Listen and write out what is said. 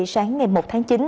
sáng ngày một tháng chín